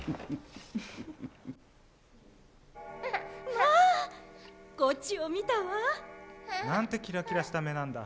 まあこっちを見たわ！なんてキラキラした目なんだ。